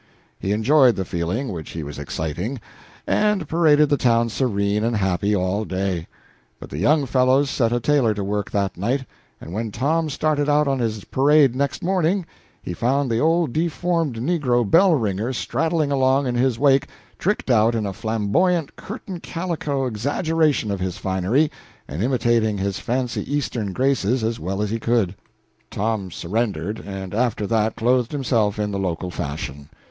He enjoyed the feeling which he was exciting, and paraded the town serene and happy all day; but the young fellows set a tailor to work that night, and when Tom started out on his parade next morning he found the old deformed negro bell ringer straddling along in his wake tricked out in a flamboyant curtain calico exaggeration of his finery, and imitating his fancy Eastern graces as well as he could. Tom surrendered, and after that clothed himself in the local fashion.